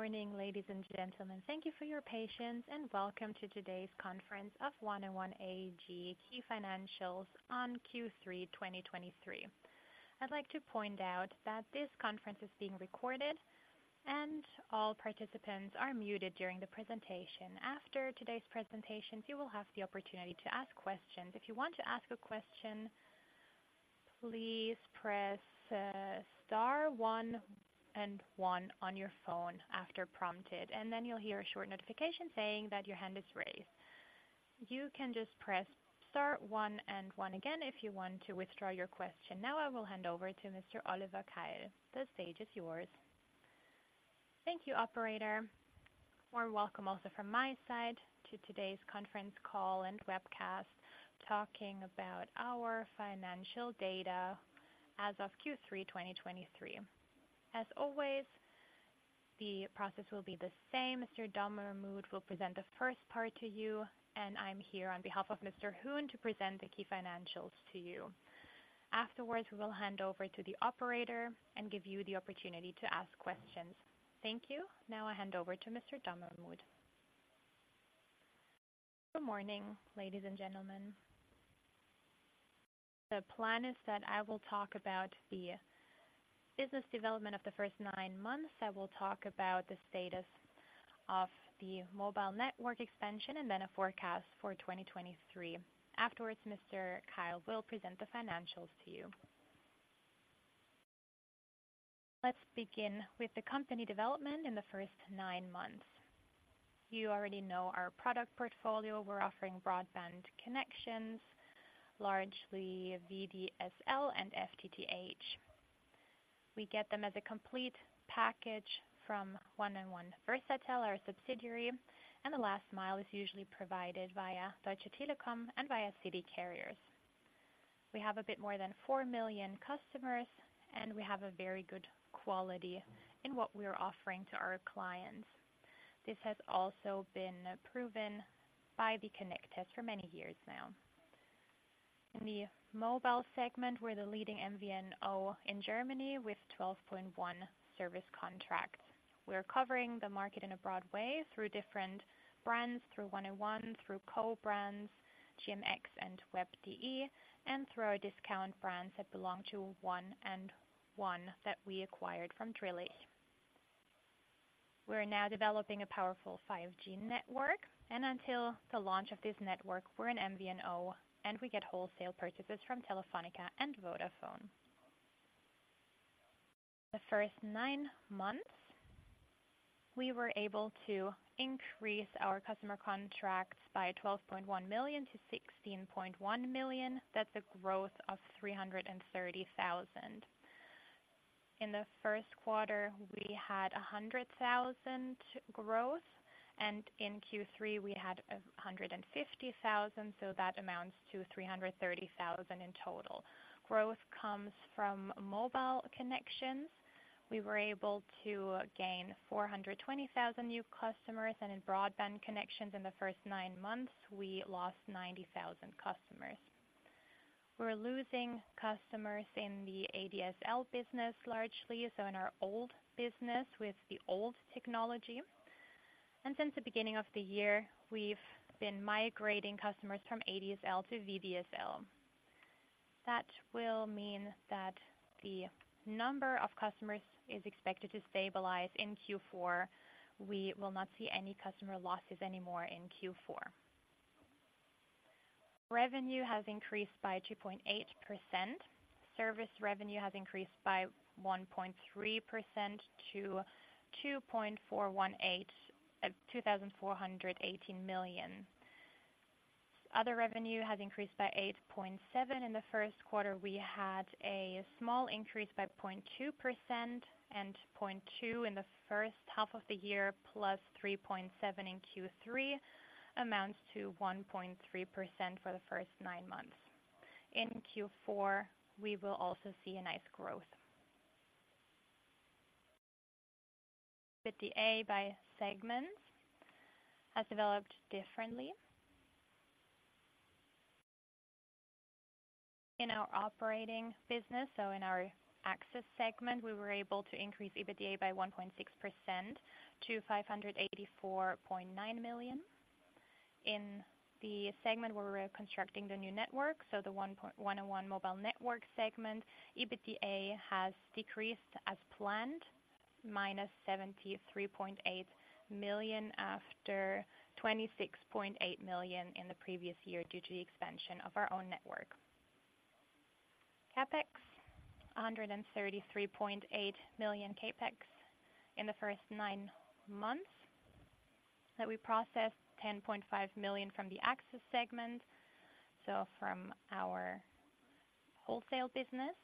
Morning, ladies and gentlemen. Thank you for your patience, and welcome to today's conference of 1&1 AG key financials on Q3 2023. I'd like to point out that this conference is being recorded, and all participants are muted during the presentation. After today's presentation, you will have the opportunity to ask questions. If you want to ask a question, please press star one and one on your phone after prompted, and then you'll hear a short notification saying that your hand is raised. You can just press star one and one again if you want to withdraw your question. Now I will hand over to Mr. Oliver Keil. The stage is yours. Thank you, operator. Warm welcome also from my side to today's conference call and webcast, talking about our financial data as of Q3 2023. As always, the process will be the same. Mr. Dommermuth will present the first part to you, and I'm here on behalf of Mr. Huhn to present the key financials to you. Afterwards, we will hand over to the operator and give you the opportunity to ask questions. Thank you. Now I hand over to Mr. Dommermuth. Good morning, ladies and gentlemen. The plan is that I will talk about the business development of the first nine months. I will talk about the status of the mobile network expansion and then a forecast for 2023. Afterwards, Mr. Keil will present the financials to you. Let's begin with the company development in the first nine months. You already know our product portfolio. We're offering broadband connections, largely VDSL and FTTH. We get them as a complete package from 1&1 Versatel, our subsidiary, and the last mile is usually provided via Deutsche Telekom and via city carriers. We have a bit more than 4 million customers, and we have a very good quality in what we are offering to our clients. This has also been proven by the Connect test for many years now. In the mobile segment, we're the leading MVNO in Germany with 12.1 million service contracts. We're covering the market in a broad way through different brands, through 1&1, through co-brands, GMX and WEB.DE, and through our discount brands that belong to 1&1 that we acquired from Drillisch. We're now developing a powerful 5G network, and until the launch of this network, we're an MVNO, and we get wholesale purchases from Telefónica and Vodafone. The first nine months, we were able to increase our customer contracts by 12.1 million to 16.1 million. That's a growth of 330,000. In the first quarter, we had 100,000 growth, and in Q3 we had 150,000, so that amounts to 330,000 in total. Growth comes from mobile connections. We were able to gain 420,000 new customers, and in broadband connections in the first nine months, we lost 90,000 customers. We're losing customers in the ADSL business largely, so in our old business with the old technology. And since the beginning of the year, we've been migrating customers from ADSL to VDSL. That will mean that the number of customers is expected to stabilize in Q4. We will not see any customer losses anymore in Q4. Revenue has increased by 2.8%. Service revenue has increased by 1.3% to 2,418 million. Other revenue has increased by 8.7%. In the first quarter, we had a small increase by 0.2% and 0.2% in the first half of the year, +3.7% in Q3, amounts to 1.3% for the first nine months. In Q4, we will also see a nice growth. With the EBITDA by segments, has developed differently. In our operating business, so in our access segment, we were able to increase EBITDA by 1.6% to 584.9 million. In the segment, where we are constructing the new network, so the 1&1 mobile network segment, EBITDA has decreased as planned, -73.8 million after 26.8 million in the previous year due to the expansion of our own network. CapEx, 133.8 million CapEx in the first nine months, that we processed 10.5 million from the access segment. From our wholesale business,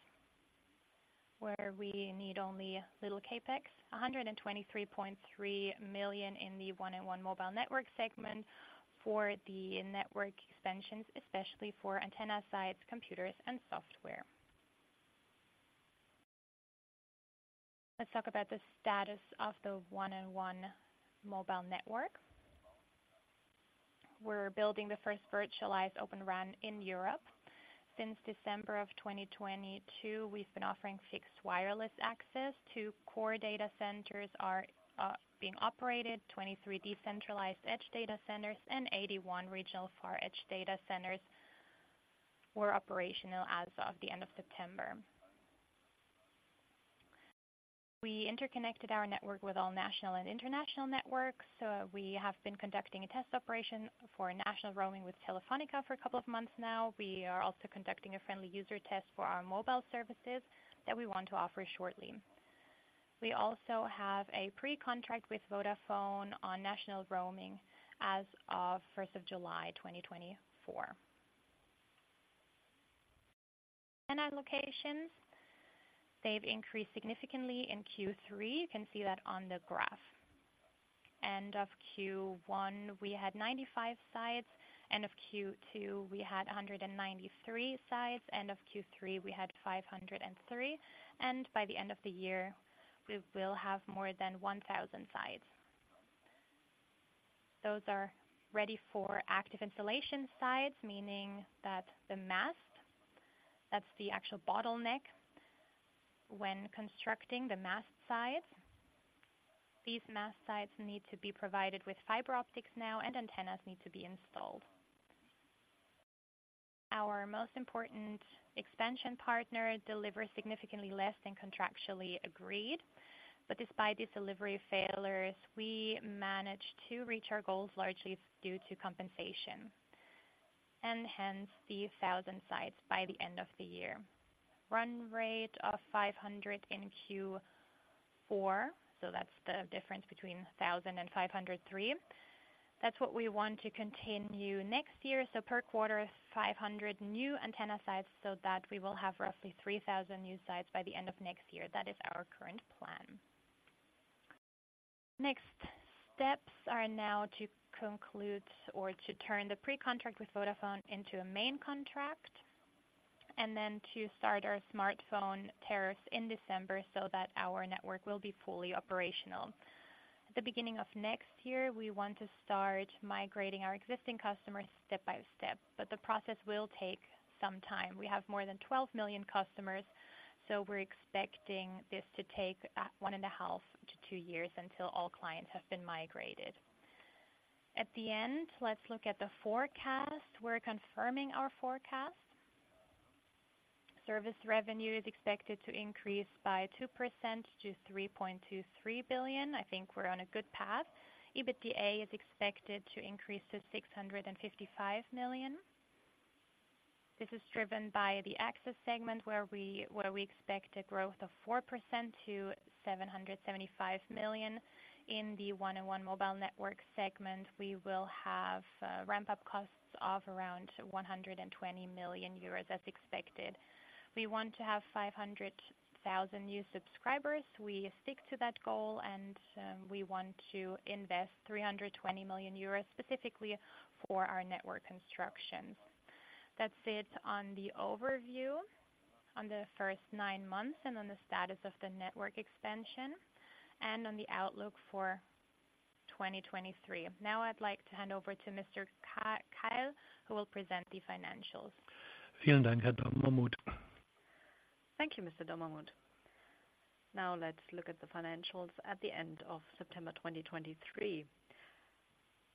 where we need only little CapEx, 123.3 million in the 1&1 mobile network segment for the network expansions, especially for antenna sites, computers, and software. Let's talk about the status of the 1&1 mobile network. We're building the first virtualized Open RAN in Europe. Since December of 2022, we've been offering fixed wireless access. Our core data centers are being operated, 23 decentralized edge data centers, and 81 regional far edge data centers were operational as of the end of September. We interconnected our network with all national and international networks. So we have been conducting a test operation for national roaming with Telefónica for a couple of months now. We are also conducting a friendly user test for our mobile services that we want to offer shortly. We also have a pre-contract with Vodafone on national roaming as of July, 2024. Antenna locations, they've increased significantly in Q3. You can see that on the graph. End of Q1, we had 95 sites, end of Q2, we had 193 sites, end of Q3, we had 503, and by the end of the year, we will have more than 1,000 sites. Those are ready for active installation sites, meaning that the mast, that's the actual bottleneck when constructing the mast sites. These mast sites need to be provided with fiber optics now, and antennas need to be installed. Our most important expansion partner delivers significantly less than contractually agreed. But despite these delivery failures, we managed to reach our goals largely due to compensation, and hence the 1,000 sites by the end of the year. Run rate of 500 in Q4, so that's the difference between 1,000 and 503. That's what we want to continue next year, so per quarter, 500 new antenna sites, so that we will have roughly 3,000 new sites by the end of next year. That is our current plan. Next steps are now to conclude or to turn the pre-contract with Vodafone into a main contract, and then to start our smartphone tariffs in December so that our network will be fully operational. At the beginning of next year, we want to start migrating our existing customers step by step, but the process will take some time. We have more than 12 million customers, so we're expecting this to take 1.5-2 years until all clients have been migrated. At the end, let's look at the forecast. We're confirming our forecast. Service revenue is expected to increase by 2% to 3.23 billion. I think we're on a good path. EBITDA is expected to increase to 655 million. This is driven by the access segment, where we expect a growth of 4% to 775 million. In the 1&1 mobile network segment, we will have ramp-up costs of around 120 million euros as expected. We want to have 500,000 new subscribers. We stick to that goal, and we want to invest 320 million euros specifically for our network constructions. That's it on the overview on the first nine months, and on the status of the network expansion, and on the outlook for 2023. Now I'd like to hand over to Mr. Keil, who will present the financials. Thank you, Mr. Dommermuth. Now let's look at the financials at the end of September 2023.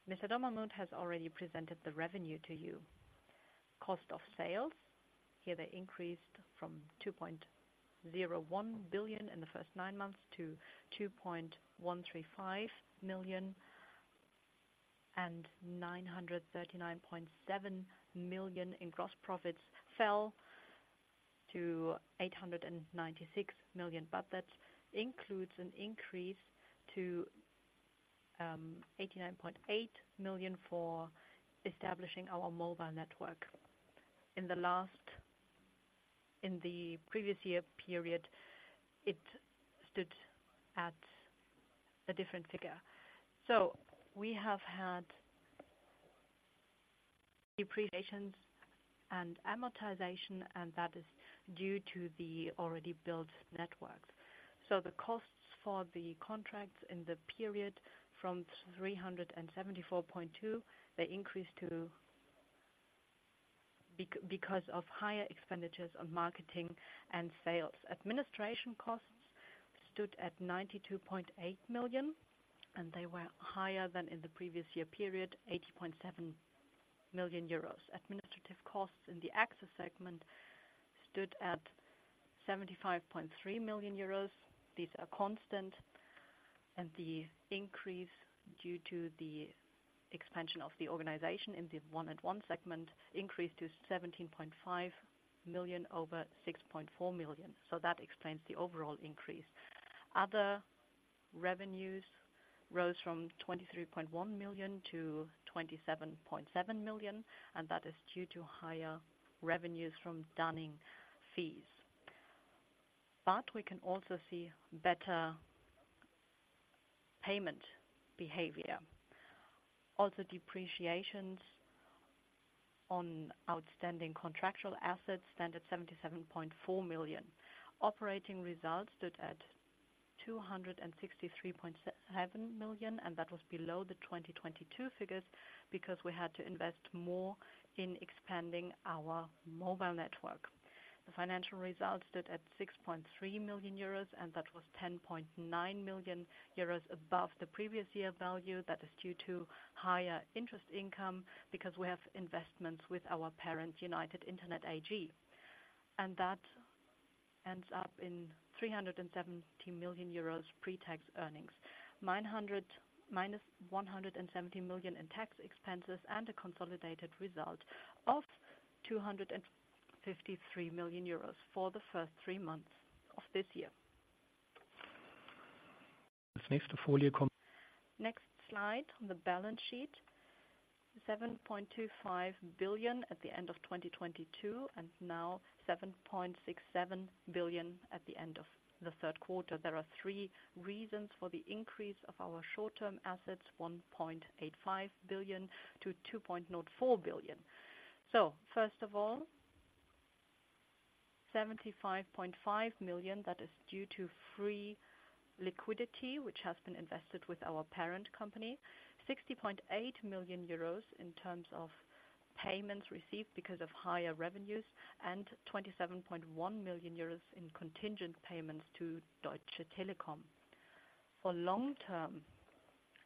Mr. Dommermuth has already presented the revenue to you. Cost of sales, here they increased from 2.01 billion in the first nine months to 2.135 million, and 939.7 million in gross profits fell to 896 million. But that includes an increase to 89.8 million for establishing our mobile network. In the previous year period, it stood at a different figure. So we have had depreciations and amortization, and that is due to the already built networks. So the costs for the contracts in the period from 374.2, they increased to, because of higher expenditures on marketing and sales. Administration costs stood at 92.8 million, and they were higher than in the previous year period, 80.7 million euros. Administrative costs in the access segment stood at 75.3 million euros. These are constant, and the increase due to the expansion of the organization in the 1&1 segment increased to 17.5 million over 6.4 million. So that explains the overall increase. Other revenues rose from 23.1 million to 27.7 million, and that is due to higher revenues from dunning fees. But we can also see better payment behavior. Also, depreciations on outstanding contractual assets stand at 77.4 million. Operating results stood at 263.7 million, and that was below the 2022 figures because we had to invest more in expanding our mobile network. The financial results stood at 6.3 million euros, and that was 10.9 million euros above the previous year value. That is due to higher interest income because we have investments with our parent, United Internet AG. That ends up in 370 million euros pre-tax earnings, -170 million in tax expenses, and a consolidated result of 253 million euros for the first three months of this year. Next slide, on the balance sheet, 7.25 billion at the end of 2022, and now 7.67 billion at the end of the third quarter. There are three reasons for the increase of our short-term assets, 1.85 billion-2.04 billion. So first of all, 75.5 million, that is due to free liquidity, which has been invested with our parent company. 60.8 million euros in terms of payments received because of higher revenues, and 27.1 million euros in contingent payments to Deutsche Telekom. For long-term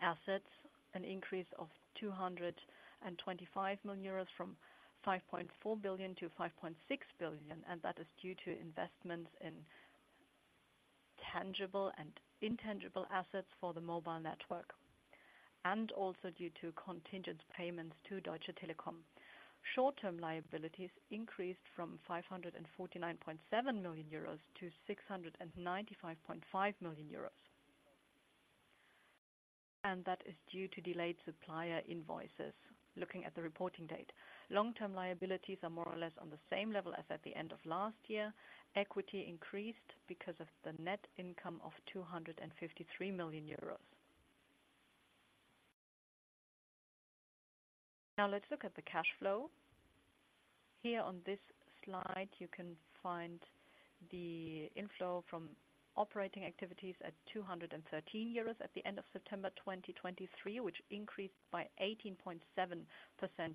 assets, an increase of 225 million euros from 5.4 billion-5.6 billion, and that is due to investments in tangible and intangible assets for the mobile network, and also due to contingent payments to Deutsche Telekom. Short-term liabilities increased from 549.7 million-695.5 million euros, and that is due to delayed supplier invoices. Looking at the reporting date, long-term liabilities are more or less on the same level as at the end of last year. Equity increased because of the net income of 253 million euros. Now, let's look at the cash flow. Here on this slide, you can find the inflow from operating activities at 213 euros at the end of September 2023, which increased by 18.7%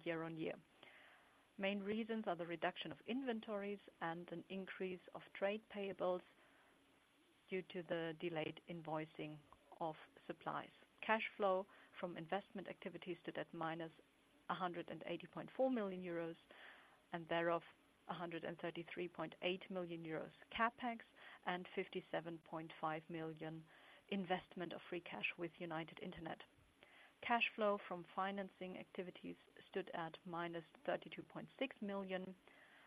year-on-year. Main reasons are the reduction of inventories and an increase of trade payables due to the delayed invoicing of supplies. Cash flow from investment activities stood at -180.4 million euros, and thereof, 133.8 million euros CapEx, and 57.5 million investment of free cash with United Internet. Cash flow from financing activities stood at -32.6 million,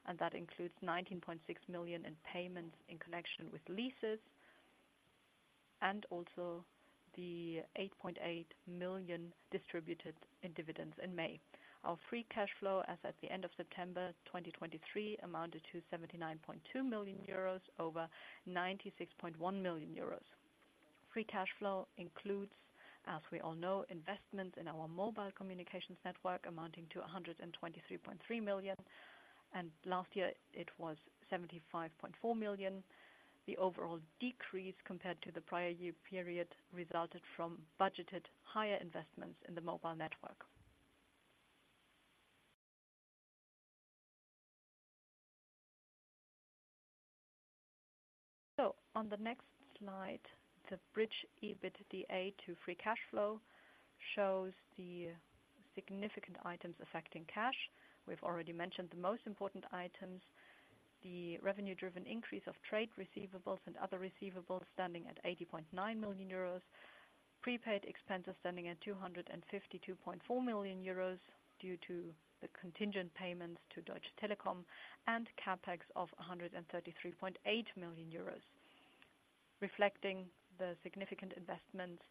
and that includes 19.6 million in payments in connection with leases, and also the 8.8 million distributed in dividends in May. Our free cash flow as at the end of September 2023 amounted to 79.2 million euros, over 96.1 million euros. Free cash flow includes, as we all know, investments in our mobile communications network amounting to 123.3 million, and last year it was 75.4 million. The overall decrease compared to the prior year period resulted from budgeted higher investments in the mobile network. So on the next slide, the bridge EBITDA to free cash flow shows the significant items affecting cash. We've already mentioned the most important items: the revenue-driven increase of trade receivables and other receivables, standing at 80.9 million euros. Prepaid expenses standing at 252.4 million euros due to the contingent payments to Deutsche Telekom, and CapEx of 133.8 million euros, reflecting the significant investments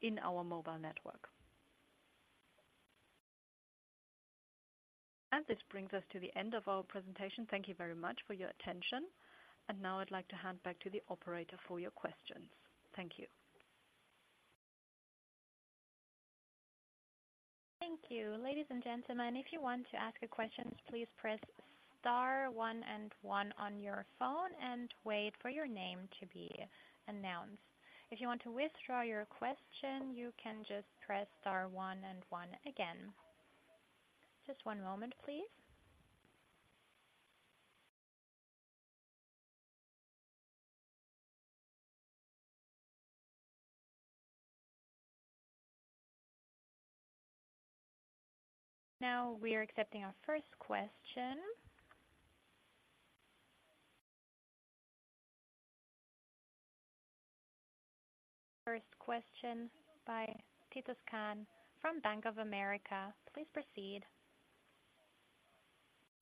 in our mobile network. This brings us to the end of our presentation. Thank you very much for your attention. Now I'd like to hand back to the operator for your questions. Thank you. Thank you. Ladies and gentlemen, if you want to ask a question, please press star one and one on your phone and wait for your name to be announced. If you want to withdraw your question, you can just press star one and one again. Just one moment, please. Now we are accepting our first question. First question by Titus Krahn from Bank of America. Please proceed.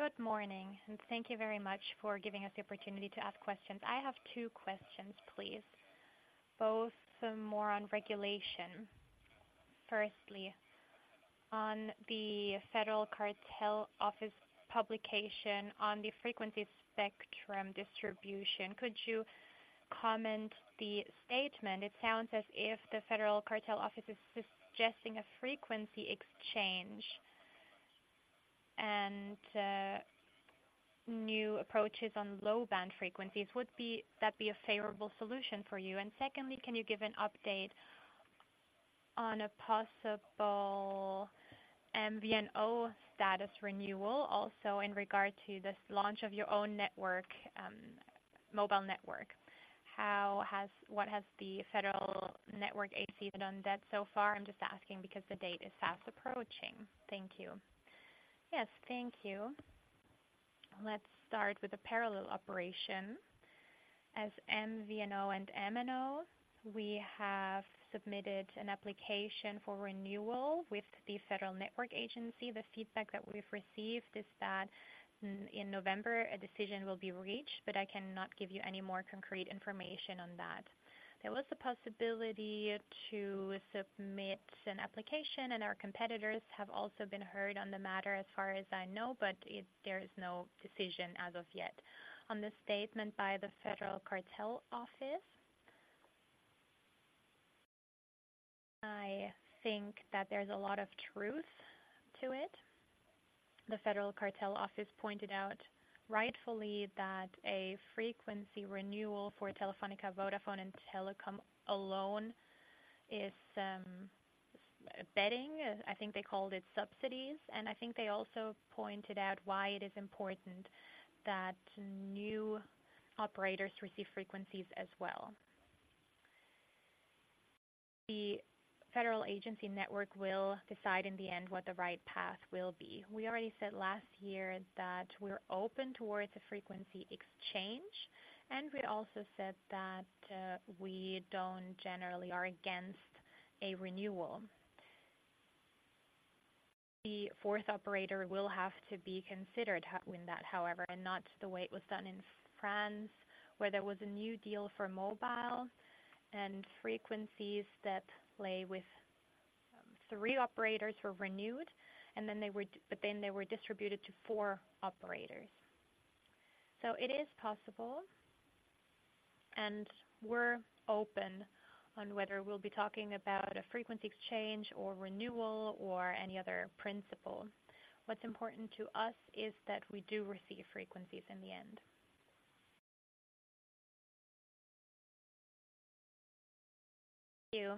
Good morning, and thank you very much for giving us the opportunity to ask questions. I have two questions, please, both more on regulation. Firstly, on the Federal Cartel Office publication on the frequency spectrum distribution, could you comment the statement. It sounds as if the Federal Cartel Office is suggesting a frequency exchange and new approaches on low-band frequencies. Would that be a favorable solution for you? Secondly, can you give an update on a possible MVNO status renewal, also in regard to this launch of your own network, mobile network? What has the Federal Network Agency done so far? I'm just asking because the date is fast approaching. Thank you. Yes, thank you. Let's start with the parallel operation. As MVNO and MNO, we have submitted an application for renewal with the Federal Network Agency. The feedback that we've received is that in November, a decision will be reached, but I cannot give you any more concrete information on that. There was a possibility to submit an application, and our competitors have also been heard on the matter, as far as I know, but there is no decision as of yet. On the statement by the Federal Cartel Office, I think that there's a lot of truth to it. The Federal Cartel Office pointed out rightfully that a frequency renewal for Telefónica, Vodafone, and Telekom alone is betting. I think they called it subsidies, and I think they also pointed out why it is important that new operators receive frequencies as well. The Federal Network Agency will decide in the end what the right path will be. We already said last year that we're open towards a frequency exchange, and we also said that we don't generally are against a renewal. The fourth operator will have to be considered in that, however, and not the way it was done in France, where there was a new deal for mobile and frequencies that lay with three operators were renewed, and then they were distributed to four operators. So it is possible, and we're open on whether we'll be talking about a frequency exchange or renewal or any other principle. What's important to us is that we do receive frequencies in the end. Thank you.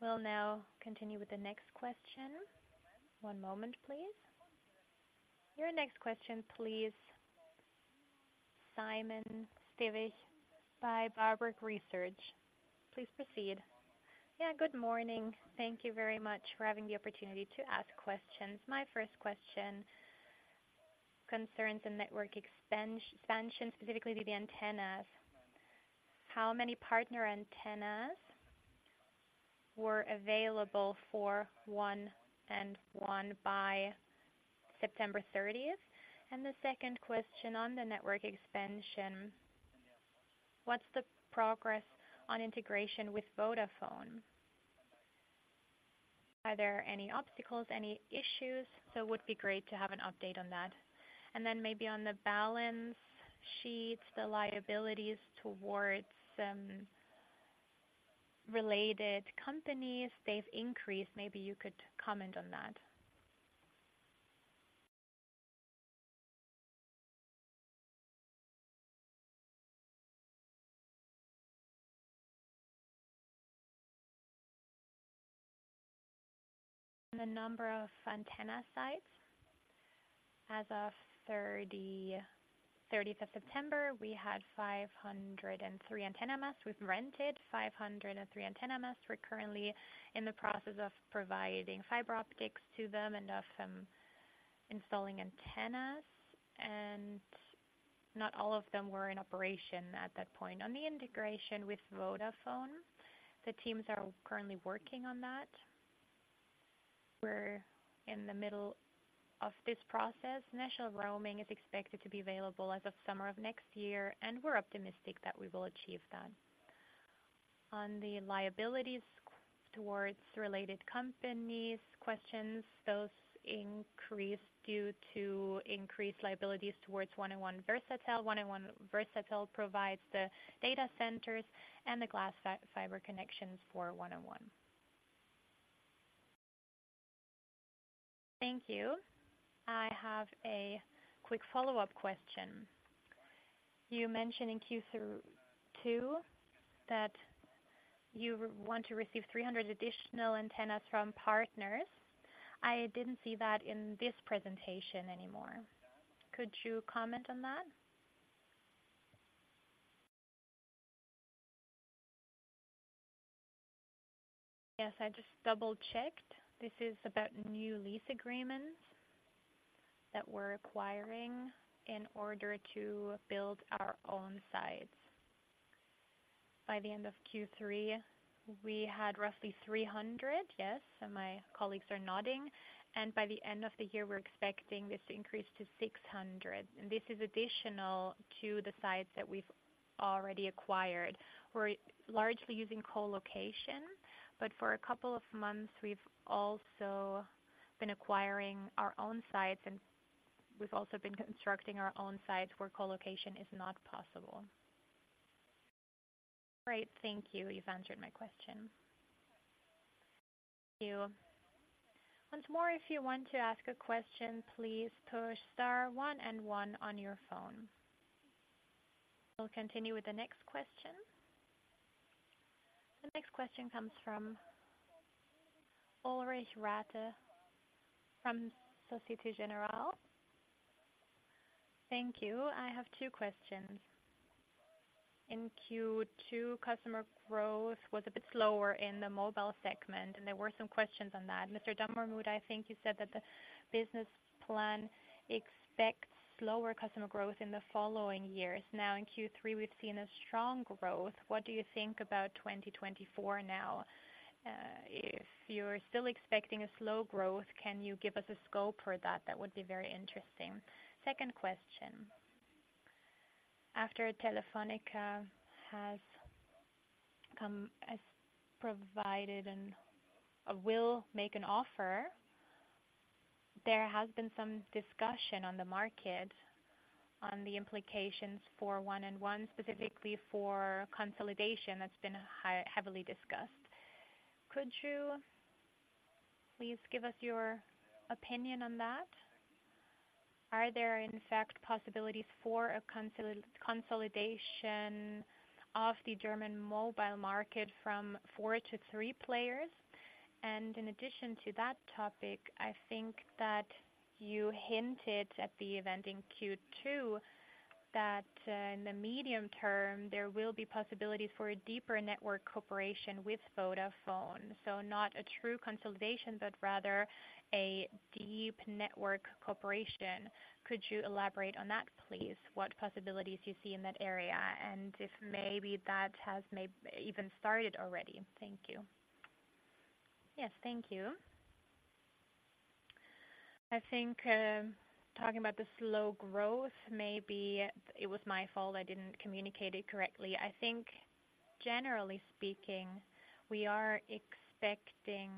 We'll now continue with the next question. One moment, please. Your next question, please, Simon Stippig from Warburg Research. Please proceed. Yeah, good morning. Thank you very much for having the opportunity to ask questions. My first question concerns the network expansion, specifically the antennas. How many partner antennas were available for 1&1 by September 30th? And the second question on the network expansion, what's the progress on integration with Vodafone? Are there any obstacles, any issues? So it would be great to have an update on that. And then maybe on the balance sheets, the liabilities towards related companies, they've increased. Maybe you could comment on that. On the number of antenna sites, as of the 30th of September, we had 503 antenna masts. We've rented 503 antenna masts. We're currently in the process of providing fiber optics to them and of installing antennas, and not all of them were in operation at that point. On the integration with Vodafone, the teams are currently working on that. We're in the middle of this process. National roaming is expected to be available as of summer of next year, and we're optimistic that we will achieve that. On the liabilities towards related companies questions, those increased due to increased liabilities towards 1&1 Versatel. 1&1 Versatel provides the data centers and the fiber connections for 1&1. Thank you. I have a quick follow-up question. You mentioned in Q2 that you want to receive 300 additional antennas from partners. I didn't see that in this presentation anymore. Could you comment on that? Yes, I just double-checked. This is about new lease agreements that we're acquiring in order to build our own sites. By the end of Q3, we had roughly 300. Yes, and my colleagues are nodding, and by the end of the year, we're expecting this to increase to 600. This is additional to the sites that we've already acquired. We're largely using co-location, but for a couple of months, we've also been acquiring our own sites, and we've also been constructing our own sites where co-location is not possible. Great. Thank you. You've answered my question. Thank you. Once more, if you want to ask a question, please push star one and one on your phone. We'll continue with the next question. The next question comes from Ulrich Rathe from Société Générale. Thank you. I have two questions. In Q2, customer growth was a bit slower in the mobile segment, and there were some questions on that. Mr. Dommermuth, I think you said that the business plan expects slower customer growth in the following years. Now, in Q3, we've seen a strong growth. What do you think about 2024 now? If you're still expecting a slow growth, can you give us a scope for that? That would be very interesting. Second question, after Telefónica has come, has provided and will make an offer, there has been some discussion on the market on the implications for 1&1, specifically for consolidation that's been highly discussed. Could you please give us your opinion on that? Are there, in fact, possibilities for a consolidation of the German mobile market from four to three players? And in addition to that topic, I think that you hinted at the event in Q2, that in the medium term, there will be possibilities for a deeper network cooperation with Vodafone. So not a true consolidation, but rather a deep network cooperation. Could you elaborate on that, please? What possibilities you see in that area, and if maybe that has even started already? Thank you. Yes, thank you. I think, talking about the slow growth, maybe it was my fault. I didn't communicate it correctly. I think generally speaking, we are expecting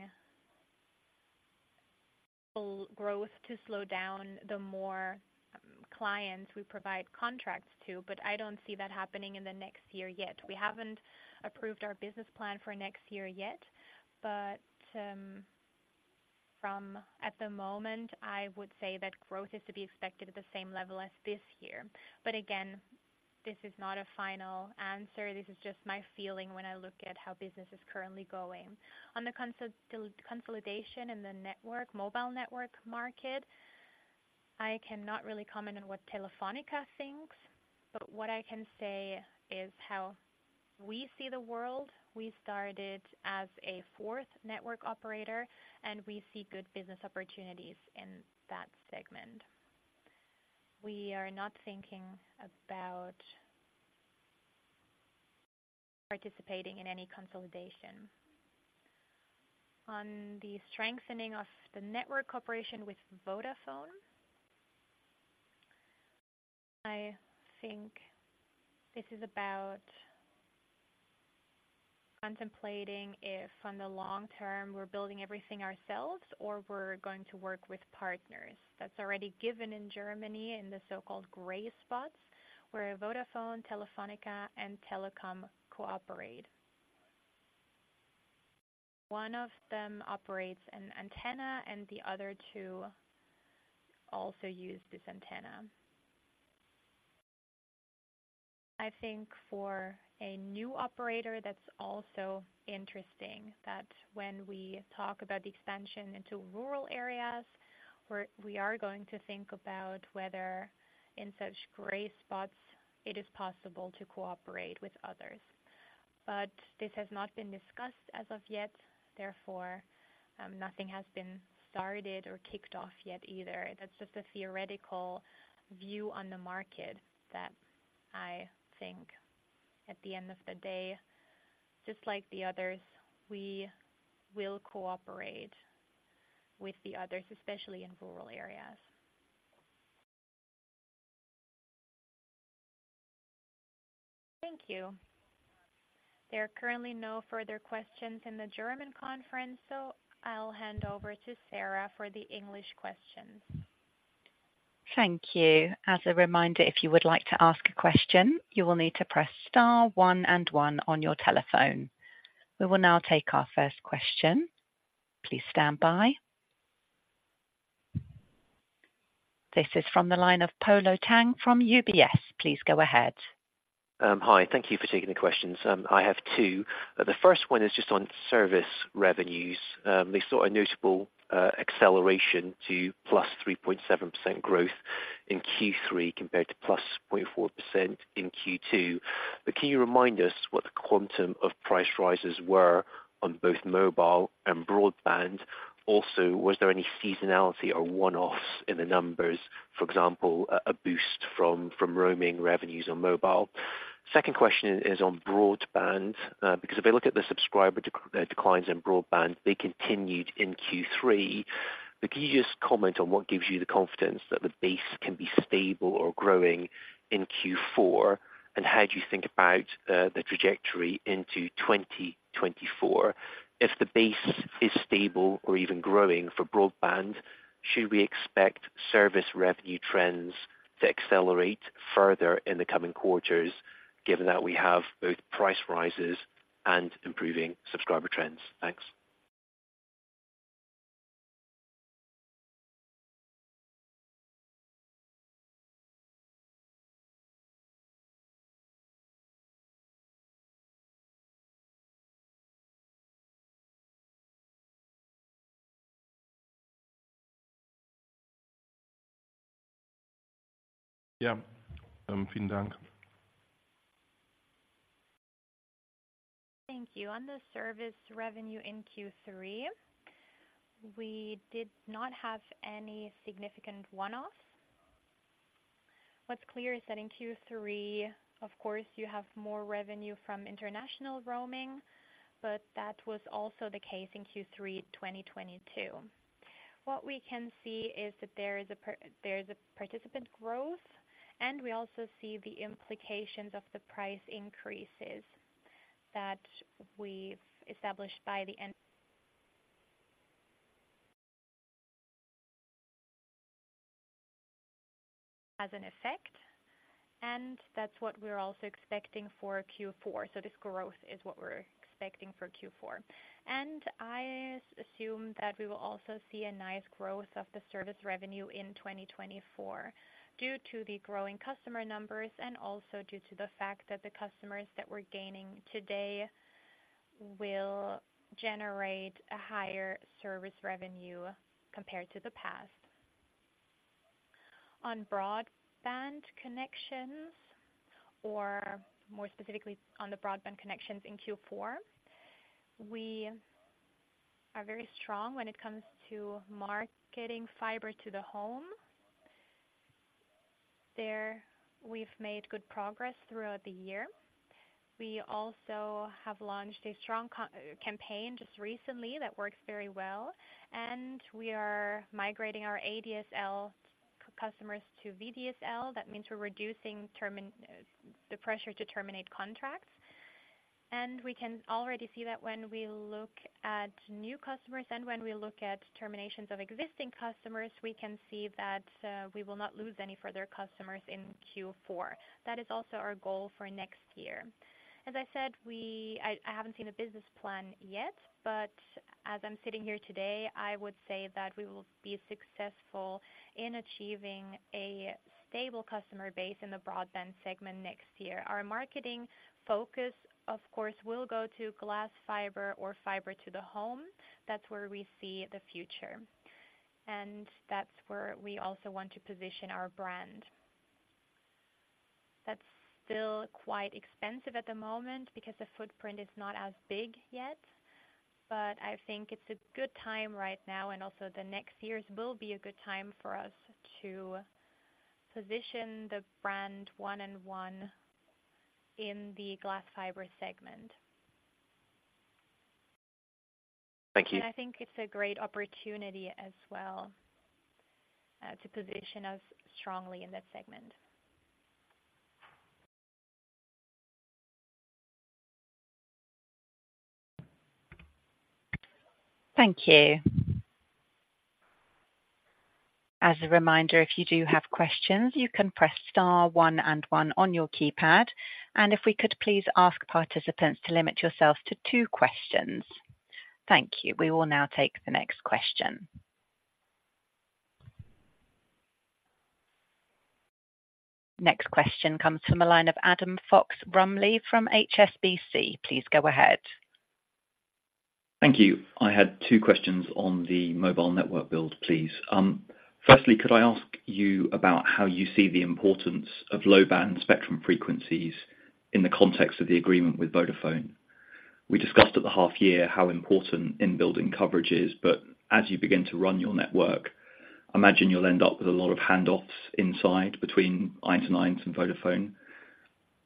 growth to slow down, the more clients we provide contracts to, but I don't see that happening in the next year yet. We haven't approved our business plan for next year yet, but from at the moment, I would say that growth is to be expected at the same level as this year. But again, this is not a final answer. This is just my feeling when I look at how business is currently going. On the consolidation in the mobile network market, I cannot really comment on what Telefónica thinks, but what I can say is how we see the world. We started as a fourth network operator, and we see good business opportunities in that segment. We are not thinking about participating in any consolidation. On the strengthening of the network cooperation with Vodafone, I think this is about contemplating if in the long term, we're building everything ourselves or we're going to work with partners. That's already given in Germany, in the so-called gray spots, where Vodafone, Telefónica and Telekom cooperate. One of them operates an antenna, and the other two also use this antenna. I think for a new operator, that's also interesting, that when we talk about the expansion into rural areas, we're, we are going to think about whether in such gray spots it is possible to cooperate with others. But this has not been discussed as of yet, therefore, nothing has been started or kicked off yet either. That's just a theoretical view on the market that I think at the end of the day, just like the others, we will cooperate with the others, especially in rural areas. Thank you. There are currently no further questions in the German conference, so I'll hand over to Sarah for the English questions. Thank you. As a reminder, if you would like to ask a question, you will need to press star one and one on your telephone. We will now take our first question. Please stand by. This is from the line of Polo Tang from UBS. Please go ahead. Hi. Thank you for taking the questions. I have two. The first one is just on service revenues. They saw a notable acceleration to +3.7% growth in Q3 compared to +0.4% in Q2. But can you remind us what the quantum of price rises were on both mobile and broadband? Also, was there any seasonality or one-offs in the numbers, for example, a boost from roaming revenues on mobile? Second question is on broadband, because if I look at the subscriber declines in broadband, they continued in Q3. But can you just comment on what gives you the confidence that the base can be stable or growing in Q4? And how do you think about the trajectory into 2024? If the base is stable or even growing for broadband, should we expect service revenue trends to accelerate further in the coming quarters, given that we have both price rises and improving subscriber trends? Thanks. Thank you. On the service revenue in Q3, we did not have any significant one-off. What's clear is that in Q3, of course, you have more revenue from international roaming, but that was also the case in Q3 2022. What we can see is that there is a participant growth, and we also see the implications of the price increases that we've established by the end has an effect, and that's what we're also expecting for Q4. So this growth is what we're expecting for Q4. And I assume that we will also see a nice growth of the service revenue in 2024, due to the growing customer numbers, and also due to the fact that the customers that we're gaining today will generate a higher service revenue compared to the past. On broadband connections, or more specifically, on the broadband connections in Q4, we are very strong when it comes to marketing fiber to the home. There, we've made good progress throughout the year. We also have launched a strong co-campaign just recently that works very well, and we are migrating our ADSL customers to VDSL. That means we're reducing the pressure to terminate contracts, and we can already see that when we look at new customers and when we look at terminations of existing customers, we can see that, we will not lose any further customers in Q4. That is also our goal for next year. As I said, I, I haven't seen a business plan yet, but as I'm sitting here today, I would say that we will be successful in achieving a stable customer base in the broadband segment next year. Our marketing focus, of course, will go to glass fiber or fiber to the home. That's where we see the future, and that's where we also want to position our brand. That's still quite expensive at the moment because the footprint is not as big yet, but I think it's a good time right now, and also the next years will be a good time for us to position the brand, 1&1, in the glass fiber segment. Thank you. I think it's a great opportunity as well, to position us strongly in that segment. Thank you. As a reminder, if you do have questions, you can press star one and one on your keypad, and if we could please ask participants to limit yourselves to two questions. Thank you. We will now take the next question. Next question comes from a line of Adam Fox-Rumley from HSBC. Please go ahead. Thank you. I had two questions on the mobile network build, please. Firstly, could I ask you about how you see the importance of low-band spectrum frequencies in the context of the agreement with Vodafone? We discussed at the half year how important in building coverage is, but as you begin to run your network, I imagine you'll end up with a lot of handoffs inside between ones and ones and Vodafone.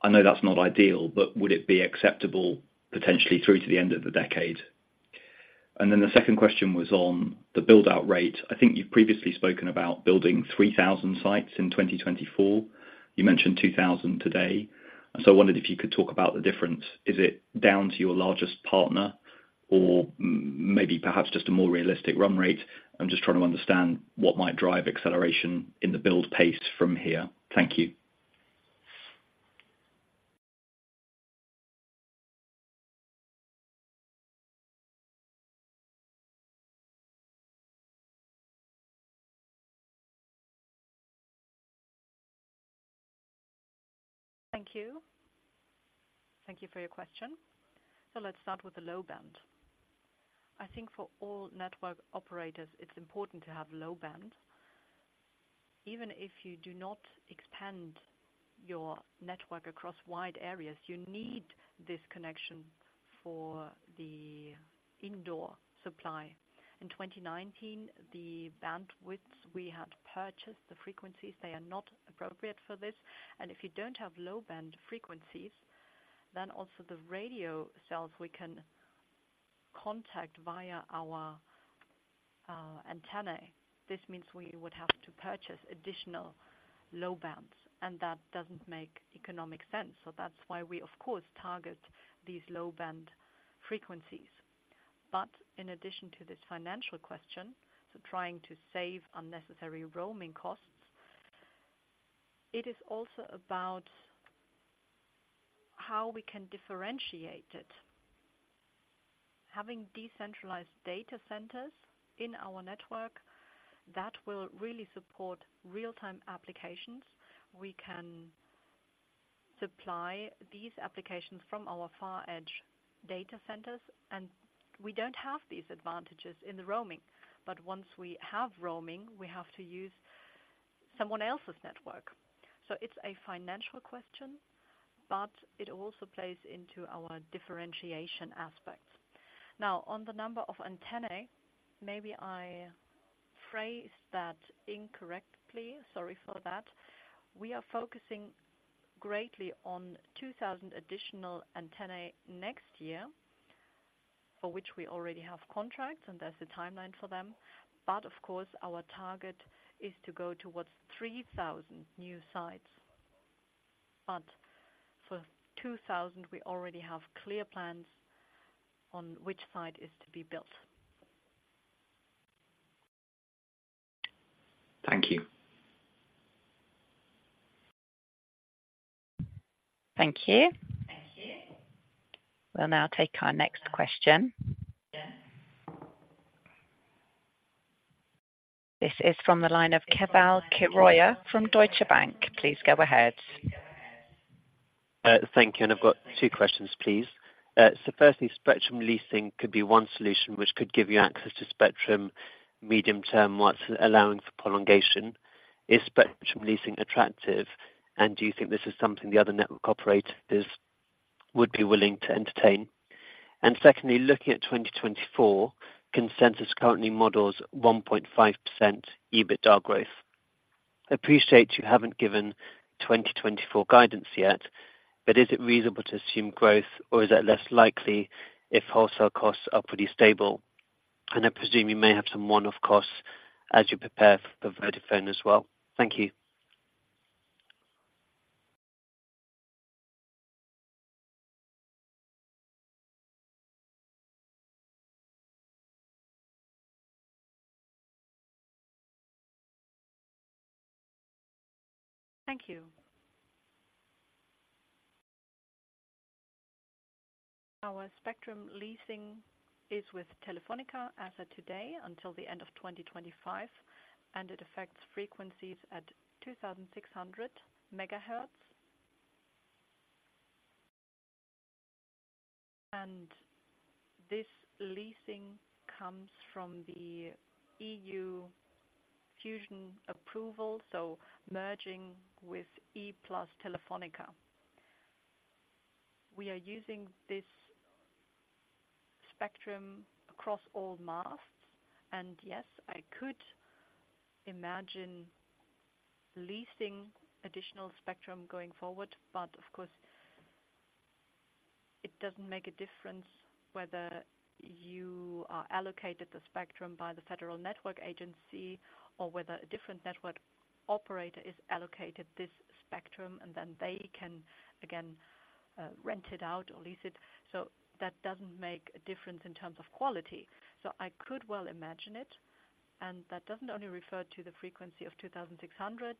I know that's not ideal, but would it be acceptable potentially through to the end of the decade? And then the second question was on the build-out rate. I think you've previously spoken about building 3,000 sites in 2024. You mentioned 2,000 today. And so I wondered if you could talk about the difference. Is it down to your largest partner, or maybe perhaps just a more realistic run rate? I'm just trying to understand what might drive acceleration in the build pace from here. Thank you. Thank you. Thank you for your question. Let's start with the low band. I think for all network operators, it's important to have low band. Even if you do not expand your network across wide areas, you need this connection for the indoor supply. In 2019, the bandwidths we had purchased, the frequencies, they are not appropriate for this, and if you don't have low-band frequencies... Then also the radio cells we can contact via our antenna. This means we would have to purchase additional low bands, and that doesn't make economic sense. That's why we of course target these low-band frequencies. But in addition to this financial question, so trying to save unnecessary roaming costs, it is also about how we can differentiate it. Having decentralized data centers in our network, that will really support real-time applications. We can supply these applications from our far edge data centers, and we don't have these advantages in the roaming. But once we have roaming, we have to use someone else's network. So it's a financial question, but it also plays into our differentiation aspects. Now, on the number of antennae, maybe I phrased that incorrectly. Sorry for that. We are focusing greatly on 2,000 additional antennae next year, for which we already have contracts, and there's a timeline for them. But of course, our target is to go towards 3,000 new sites. But for 2,000, we already have clear plans on which site is to be built. Thank you. Thank you. We'll now take our next question. This is from the line of Keval Khiroya from Deutsche Bank. Please go ahead. Thank you, and I've got two questions, please. So firstly, spectrum leasing could be one solution which could give you access to spectrum medium term, while allowing for prolongation. Is spectrum leasing attractive, and do you think this is something the other network operators would be willing to entertain? And secondly, looking at 2024, consensus currently models 1.5% EBITDA growth. Appreciate you haven't given 2024 guidance yet, but is it reasonable to assume growth, or is that less likely if wholesale costs are pretty stable? And I presume you may have some one-off costs as you prepare for Vodafone as well. Thank you. Thank you. Our spectrum leasing is with Telefónica as of today, until the end of 2025, and it affects frequencies at 2,600 MHz. This leasing comes from the EU fusion approval, so merging with E-Plus Telefónica. We are using this spectrum across all masts, and yes, I could imagine leasing additional spectrum going forward, but of course, it doesn't make a difference whether you are allocated the spectrum by the Federal Network Agency or whether a different network operator is allocated this spectrum, and then they can again rent it out or lease it. That doesn't make a difference in terms of quality. I could well imagine it, and that doesn't only refer to the frequency of 2,600 MHz,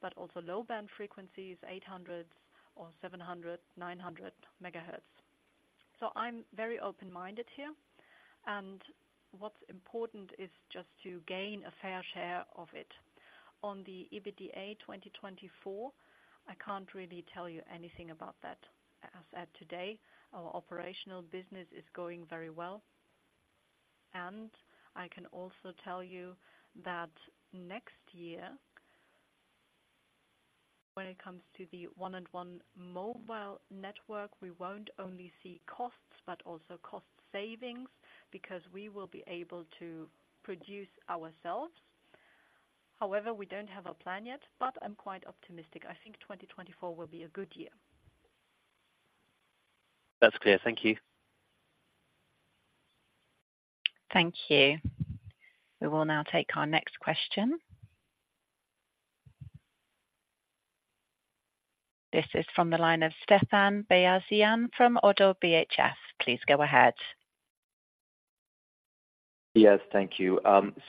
but also low-band frequencies, 800 MHz or 700 MHz, 900 MHz. So I'm very open-minded here, and what's important is just to gain a fair share of it. On the EBITDA 2024, I can't really tell you anything about that. As at today, our operational business is going very well, and I can also tell you that next year, when it comes to the 1&1 mobile network, we won't only see costs, but also cost savings, because we will be able to produce ourselves. However, we don't have a plan yet, but I'm quite optimistic. I think 2024 will be a good year. That's clear. Thank you. Thank you. We will now take our next question. This is from the line of Stéphane Beyazian from ODDO BHF. Please go ahead. Yes, thank you.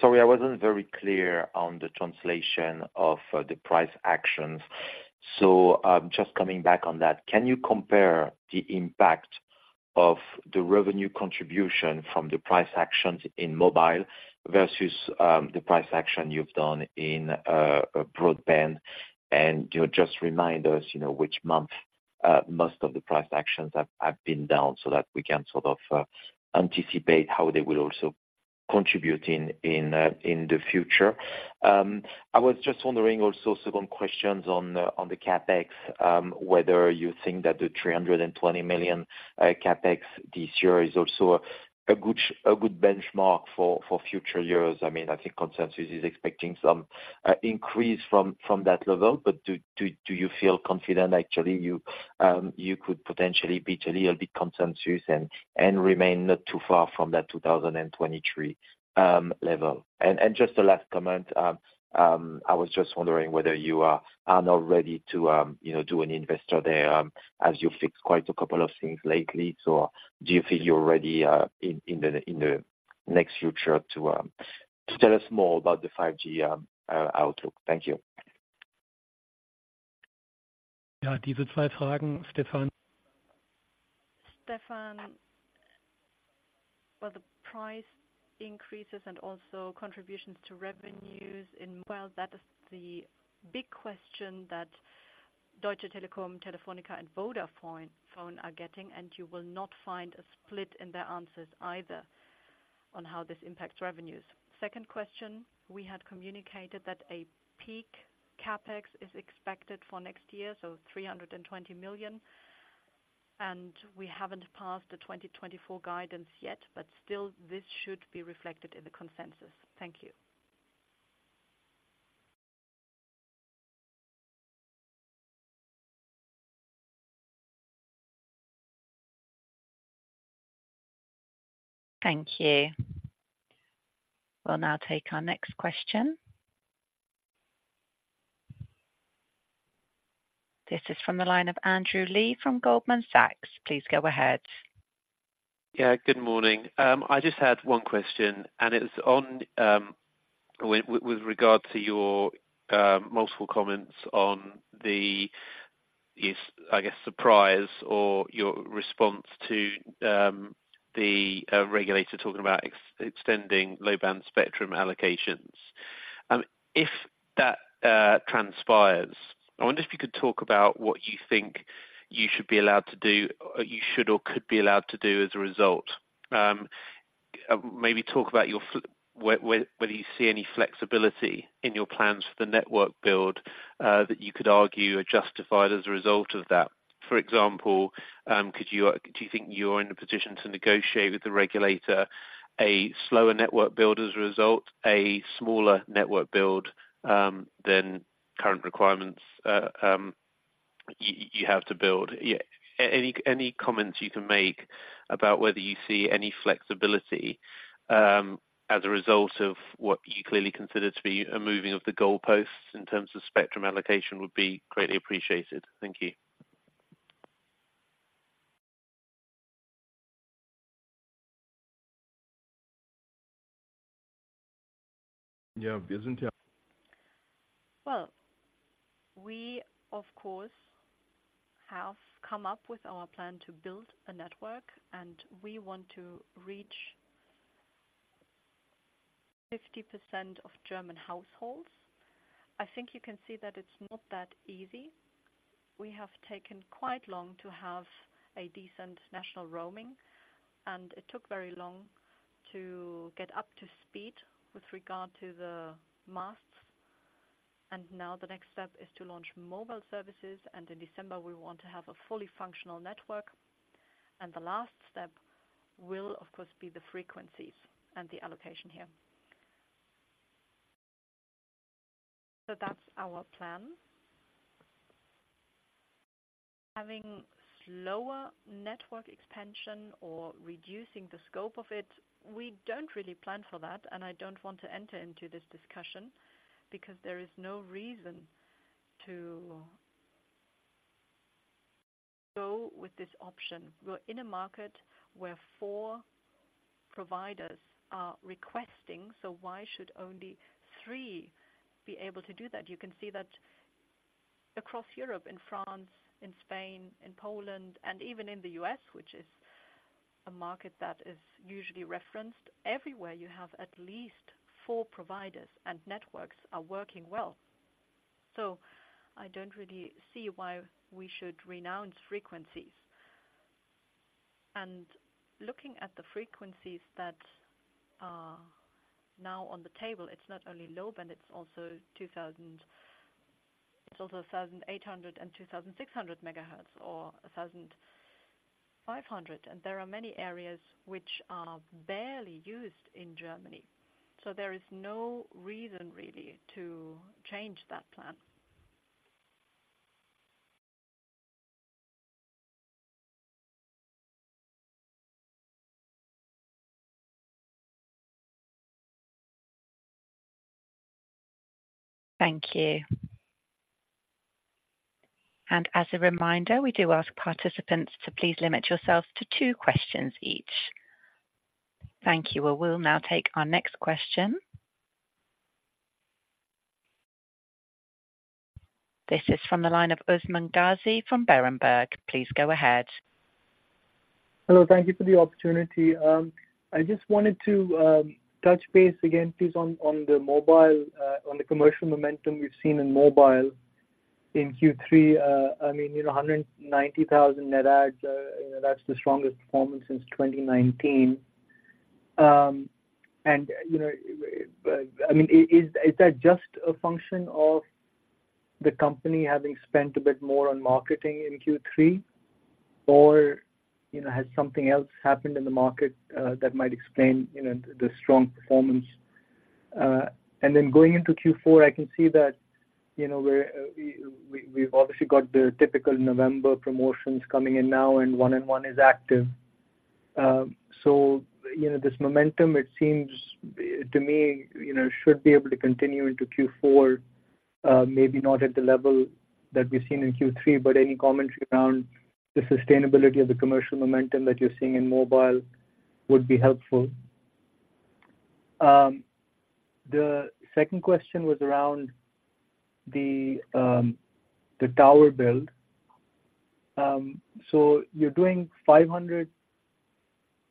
Sorry, I wasn't very clear on the translation of the price actions. So, just coming back on that, can you compare the impact of the revenue contribution from the price actions in mobile versus the price action you've done in broadband? And do you just remind us, you know, which month most of the price actions have been done, so that we can sort of anticipate how they will also contributing in the future. I was just wondering also second questions on the CapEx, whether you think that the 320 million CapEx this year is also a good benchmark for future years? I mean, I think consensus is expecting some increase from that level. But do you feel confident actually, you could potentially beat a little bit consensus and remain not too far from that 2023 level? And just a last comment, I was just wondering whether you are now ready to you know do an investor day as you fixed quite a couple of things lately. So do you feel you're ready in the next future to tell us more about the 5G outlook? Thank you. Stéphane. Well, the price increases and also contributions to revenues in— Well, that is the big question that Deutsche Telekom, Telefónica, and Vodafone are getting, and you will not find a split in their answers either on how this impacts revenues. Second question, we had communicated that a peak CapEx is expected for next year, so 320 million, and we haven't passed the 2024 guidance yet, but still this should be reflected in the consensus. Thank you. Thank you. We'll now take our next question. This is from the line of Andrew Lee from Goldman Sachs. Please go ahead. Yeah, good morning. I just had one question, and it was on, with regard to your multiple comments on the, is, I guess, surprise or your response to, the regulator talking about extending low-band spectrum allocations. If that transpires, I wonder if you could talk about what you think you should be allowed to do, or you should or could be allowed to do as a result. Maybe talk about your whether you see any flexibility in your plans for the network build, that you could argue are justified as a result of that. For example, could you, do you think you're in a position to negotiate with the regulator, a slower network build as a result, a smaller network build, than current requirements, you have to build? Yeah, any, any comments you can make about whether you see any flexibility, as a result of what you clearly consider to be a moving of the goalposts in terms of spectrum allocation would be greatly appreciated. Thank you. Well, we, of course, have come up with our plan to build a network, and we want to reach 50% of German households. I think you can see that it's not that easy. We have taken quite long to have a decent national roaming, and it took very long to get up to speed with regard to the masts. Now the next step is to launch mobile services, and in December, we want to have a fully functional network. The last step will, of course, be the frequencies and the allocation here. So that's our plan. Having slower network expansion or reducing the scope of it, we don't really plan for that, and I don't want to enter into this discussion because there is no reason to go with this option. We're in a market where four providers are requesting, so why should only three be able to do that? You can see that across Europe, in France, in Spain, in Poland, and even in the U.S., which is a market that is usually referenced. Everywhere, you have at least four providers, and networks are working well. So I don't really see why we should renounce frequencies. And looking at the frequencies that are now on the table, it's not only low band, it's also 2,000 MHz. It's also 1,800 MHz and 2,600 MHz or 1,500 MHz, and there are many areas which are barely used in Germany. So there is no reason really to change that plan. Thank you. As a reminder, we do ask participants to please limit yourselves to two questions each. Thank you. Well, we'll now take our next question. This is from the line of Usman Ghazi from Berenberg. Please go ahead. Hello. Thank you for the opportunity. I just wanted to touch base again, please, on the commercial momentum we've seen in mobile in Q3, I mean, you know, 190,000 net adds, you know, that's the strongest performance since 2019. And, you know, I mean, is that just a function of the company having spent a bit more on marketing in Q3? Or, you know, has something else happened in the market that might explain, you know, the strong performance? And then going into Q4, I can see that, you know, we've obviously got the typical November promotions coming in now, and 1&1 is active. So, you know, this momentum, it seems to me, you know, should be able to continue into Q4, maybe not at the level that we've seen in Q3, but any commentary around the sustainability of the commercial momentum that you're seeing in mobile would be helpful. The second question was around the, the tower build. So you're doing 500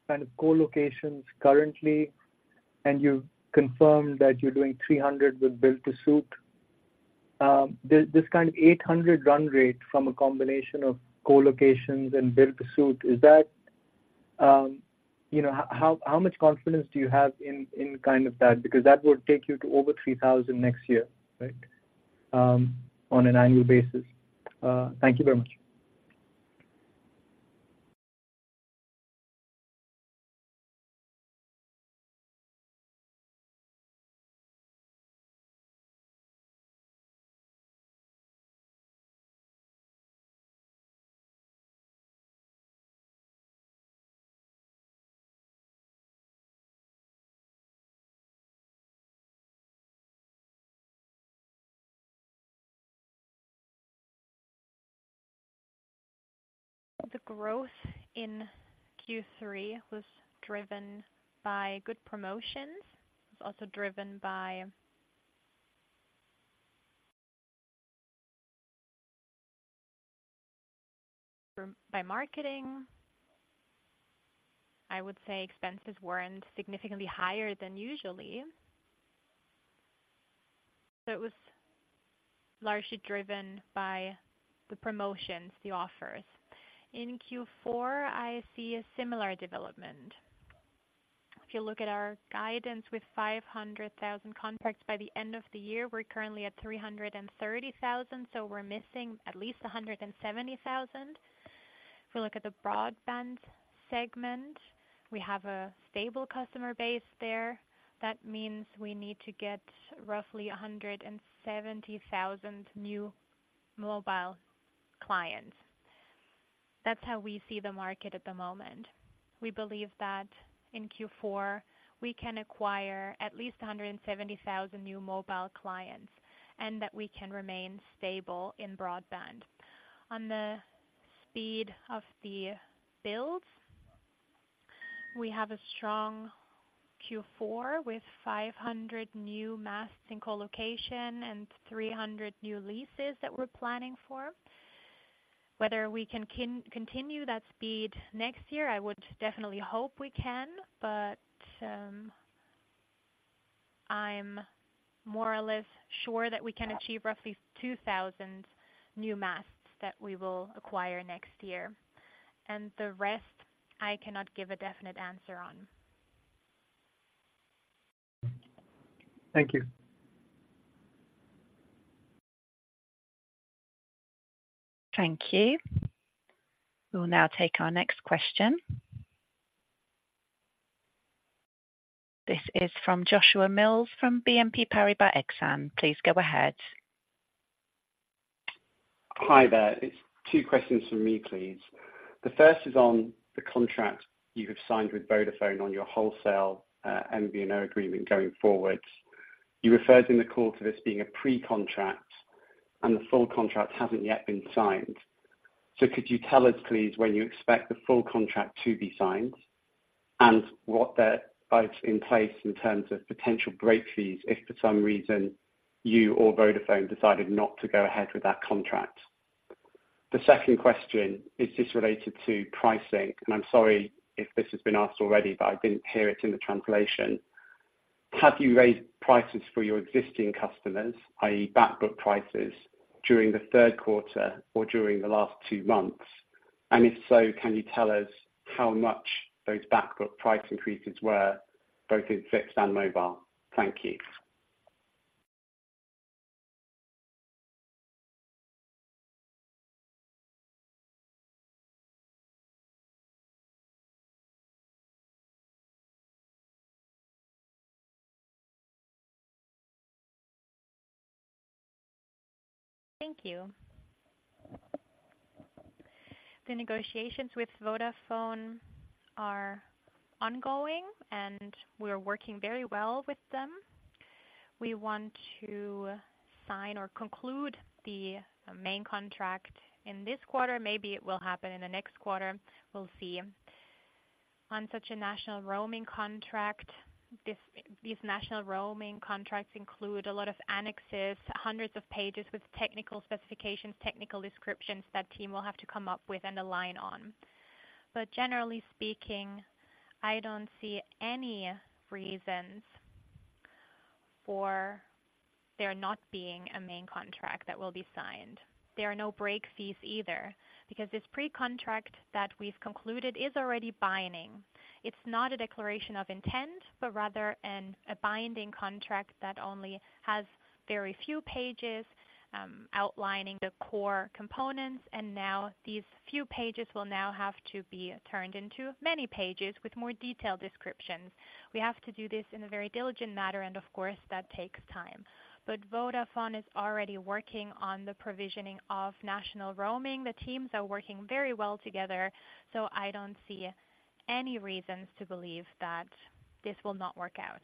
kind of co-locations currently, and you've confirmed that you're doing 300 with build to suit. This kind of 800 run rate from a combination of co-locations and build to suit, is that... You know, how much confidence do you have in kind of that? Because that would take you to over 3,000 next year, right? On an annual basis. Thank you very much. The growth in Q3 was driven by good promotions. It was also driven by, by marketing. I would say expenses weren't significantly higher than usually, so it was largely driven by the promotions, the offers. In Q4, I see a similar development. If you look at our guidance with 500,000 contracts by the end of the year, we're currently at 330,000, so we're missing at least 170,000. If we look at the broadband segment, we have a stable customer base there. That means we need to get roughly 170,000 new mobile clients. That's how we see the market at the moment. We believe that in Q4, we can acquire at least 170,000 new mobile clients, and that we can remain stable in broadband. On the speed of the builds, we have a strong Q4 with 500 new masts in co-location and 300 new leases that we're planning for. Whether we can continue that speed next year, I would definitely hope we can, but, I'm more or less sure that we can achieve roughly 2,000 new masts that we will acquire next year, and the rest, I cannot give a definite answer on. Thank you. Thank you. We'll now take our next question. This is from Joshua Mills, from BNP Paribas Exane. Please go ahead. Hi there. It's two questions from me, please. The first is on the contract you have signed with Vodafone on your wholesale, MVNO agreement going forward. You referred in the call to this being a pre-contract, and the full contract hasn't yet been signed. So could you tell us, please, when you expect the full contract to be signed? And what that is in place in terms of potential break fees, if for some reason you or Vodafone decided not to go ahead with that contract? The second question is just related to pricing, and I'm sorry if this has been asked already, but I didn't hear it in the translation. Have you raised prices for your existing customers, i.e., back book prices, during the third quarter or during the last two months? And if so, can you tell us how much those back book price increases were, both in fixed and mobile? Thank you. Thank you. The negotiations with Vodafone are ongoing, and we are working very well with them. We want to sign or conclude the main contract in this quarter. Maybe it will happen in the next quarter. We'll see. On such a national roaming contract, these national roaming contracts include a lot of annexes, hundreds of pages with technical specifications, technical descriptions, that team will have to come up with and align on. But generally speaking, I don't see any reasons for there not being a main contract that will be signed. There are no break fees either, because this pre-contract that we've concluded is already binding. It's not a declaration of intent, but rather a binding contract that only has very few pages, outlining the core components, and now these few pages will now have to be turned into many pages with more detailed descriptions. We have to do this in a very diligent manner, and of course, that takes time. But Vodafone is already working on the provisioning of national roaming. The teams are working very well together, so I don't see any reasons to believe that this will not work out.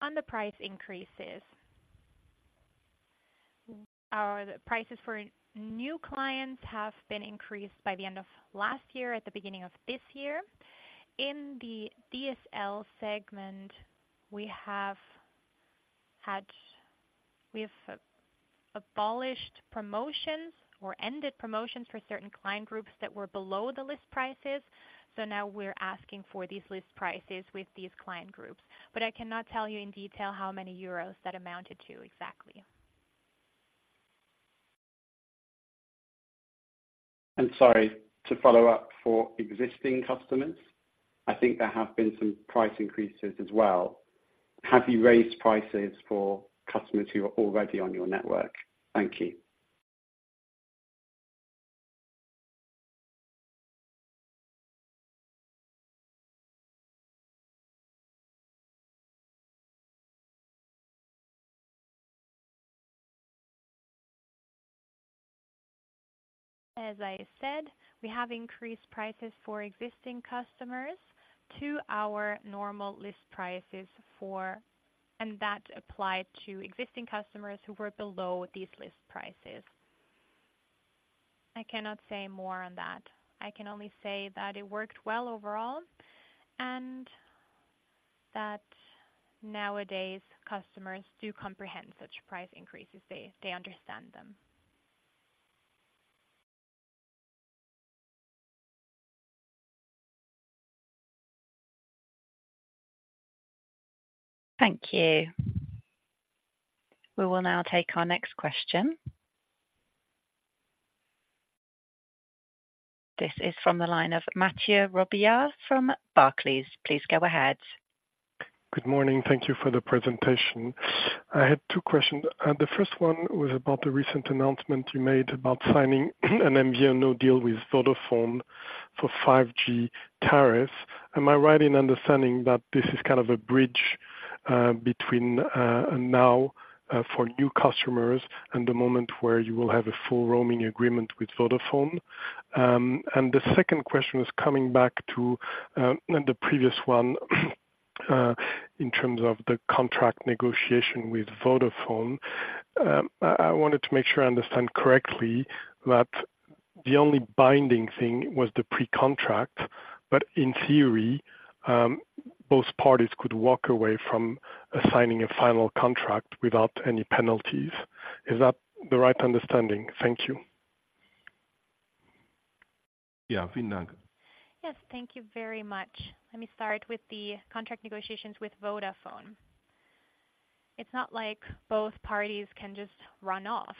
On the price increases, our prices for new clients have been increased by the end of last year, at the beginning of this year. In the DSL segment, we have abolished promotions or ended promotions for certain client groups that were below the list prices. So now we're asking for these list prices with these client groups. But I cannot tell you in detail how many euros that amounted to exactly. Sorry, to follow up, for existing customers, I think there have been some price increases as well. Have you raised prices for customers who are already on your network? Thank you. As I said, we have increased prices for existing customers to our normal list prices for... That applied to existing customers who were below these list prices. I cannot say more on that. I can only say that it worked well overall, and that nowadays, customers do comprehend such price increases. They, they understand them. Thank you. We will now take our next question. This is from the line of Mathieu Robilliard from Barclays. Please go ahead. Good morning. Thank you for the presentation. I had two questions. The first one was about the recent announcement you made about signing an MVNO deal with Vodafone for 5G tariffs. Am I right in understanding that this is kind of a bridge between now for new customers and the moment where you will have a full roaming agreement with Vodafone? And the second question was coming back to the previous one in terms of the contract negotiation with Vodafone. I wanted to make sure I understand correctly that the only binding thing was the pre-contract, but in theory both parties could walk away from assigning a final contract without any penalties. Is that the right understanding? Thank you. Yes, thank you very much. Let me start with the contract negotiations with Vodafone. It's not like both parties can just run off.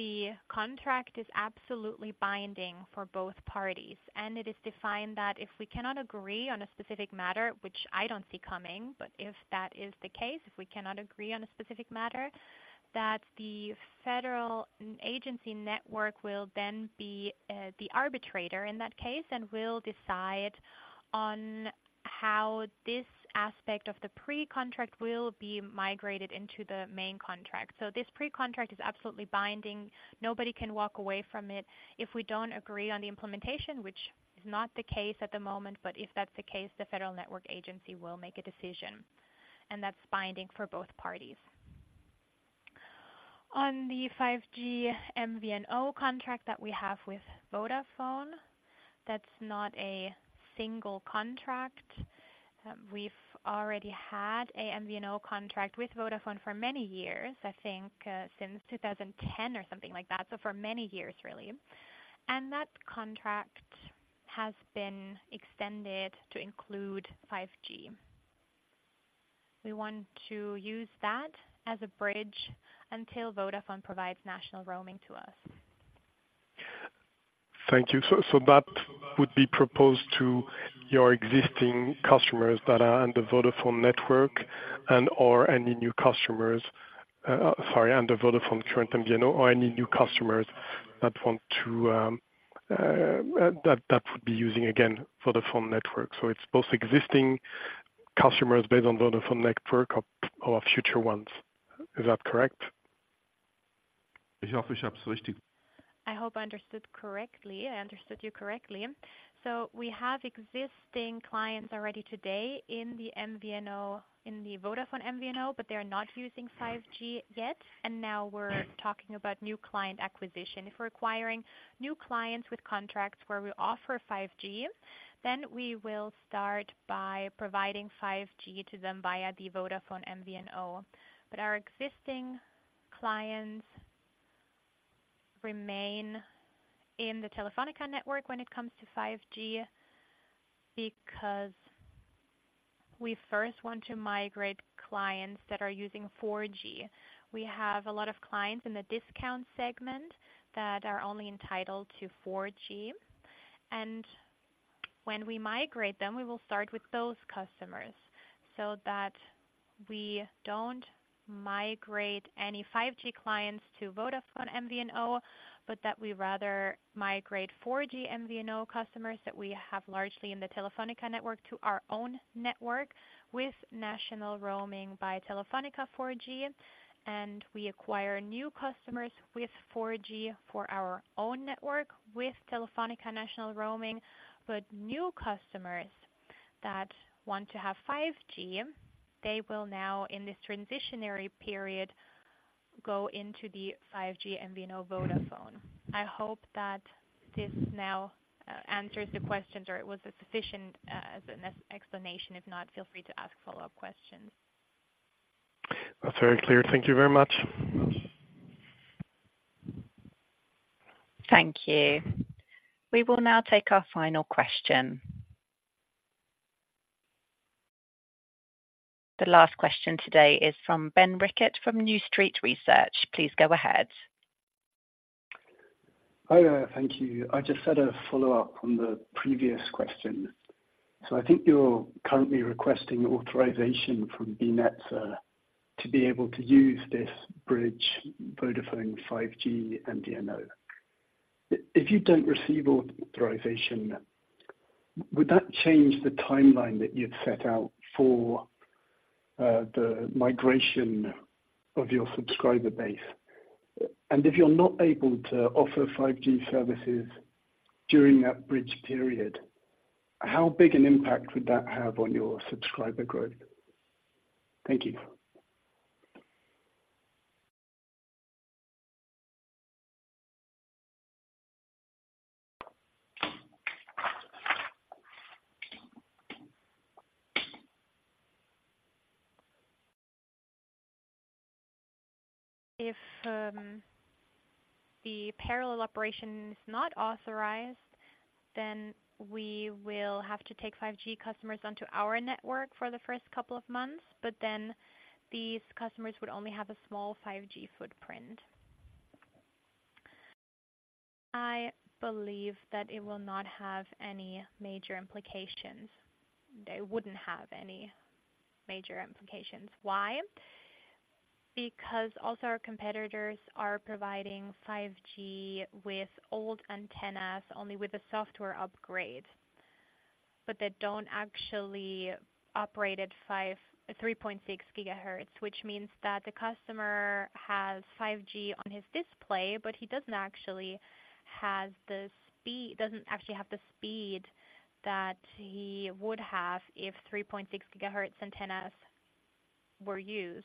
The contract is absolutely binding for both parties, and it is defined that if we cannot agree on a specific matter, which I don't see coming, but if that is the case, if we cannot agree on a specific matter, that the Federal Network Agency will then be the arbitrator in that case, and will decide on how this aspect of the pre-contract will be migrated into the main contract. So this pre-contract is absolutely binding. Nobody can walk away from it. If we don't agree on the implementation, which is not the case at the moment, but if that's the case, the Federal Network Agency will make a decision, and that's binding for both parties. On the 5G MVNO contract that we have with Vodafone, that's not a single contract. We've already had a MVNO contract with Vodafone for many years, I think, since 2010 or something like that, so for many years, really. And that contract has been extended to include 5G. We want to use that as a bridge until Vodafone provides national roaming to us. Thank you. So that would be proposed to your existing customers that are on the Vodafone network and or any new customers, sorry, on the Vodafone current MVNO, or any new customers that want to, that would be using, again, Vodafone network. So it's both existing customers based on Vodafone network or, or future ones. Is that correct? I hope I understood correctly. I understood you correctly. So we have existing clients already today in the MVNO, in the Vodafone MVNO, but they're not using 5G yet. And now we're talking about new client acquisition. If we're acquiring new clients with contracts where we offer 5G, then we will start by providing 5G to them via the Vodafone MVNO. But our existing clients remain in the Telefónica network when it comes to 5G, because we first want to migrate clients that are using 4G. We have a lot of clients in the discount segment that are only entitled to 4G, and when we migrate them, we will start with those customers, so that we don't migrate any 5G clients to Vodafone MVNO, but that we rather migrate 4G MVNO customers that we have largely in the Telefónica network, to our own network, with national roaming by Telefónica 4G. And we acquire new customers with 4G for our own network, with Telefónica national roaming. But new customers that want to have 5G, they will now, in this transitional period, go into the 5G MVNO Vodafone. I hope that this now answers the questions, or it was a sufficient as an explanation. If not, feel free to ask follow-up questions. That's very clear. Thank you very much. Thank you. We will now take our final question. The last question today is from Ben Rickett, from New Street Research. Please go ahead. Hi, thank you. I just had a follow-up on the previous question. So I think you're currently requesting authorization from BNetzA to be able to use this bridge, Vodafone 5G MVNO. If you don't receive authorization, would that change the timeline that you'd set out for the migration of your subscriber base? And if you're not able to offer 5G services during that bridge period, how big an impact would that have on your subscriber growth? Thank you. If the parallel operation is not authorized, then we will have to take 5G customers onto our network for the first couple of months, but then these customers would only have a small 5G footprint. I believe that it will not have any major implications. They wouldn't have any major implications. Why? Because also our competitors are providing 5G with old antennas, only with a software upgrade, but they don't actually operate at 3.6 GHz, which means that the customer has 5G on his display, but he doesn't actually have the speed that he would have if 3.6 GHz antennas were used.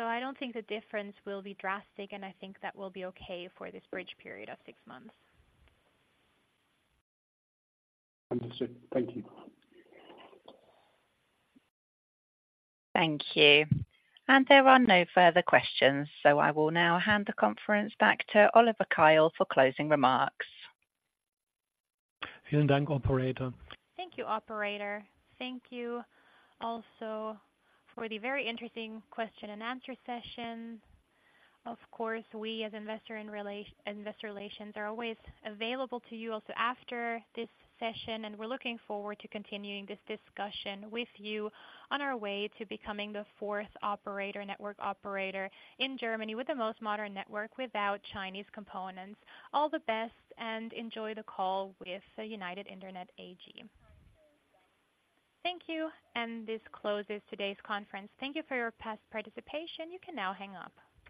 So I don't think the difference will be drastic, and I think that will be okay for this bridge period of six months. Understood. Thank you. Thank you. There are no further questions, so I will now hand the conference back to Oliver Keil for closing remarks. Thank you, operator. Thank you also for the very interesting question and answer session. Of course, we as investor relations, are always available to you also after this session, and we're looking forward to continuing this discussion with you on our way to becoming the fourth operator, network operator in Germany, with the most modern network without Chinese components. All the best and enjoy the call with the United Internet AG. Thank you, and this closes today's conference. Thank you for your past participation. You can now hang up.